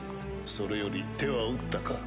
それより手は打ったか？